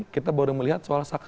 kita baru melihat soal